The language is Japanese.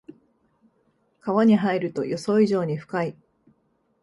川に入ると予想以上に深い